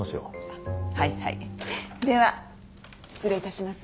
あっはいはいでは失礼いたします。